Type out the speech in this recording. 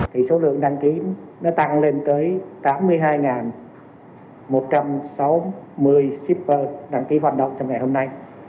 thì số lượng đăng ký nó tăng lên tới tám mươi hai một trăm sáu mươi shipper đăng ký hoạt động trong ngày hôm nay